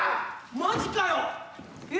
マジかよ！